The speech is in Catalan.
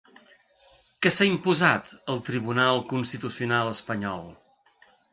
Què s'ha imposat al Tribunal Constitucional espanyol?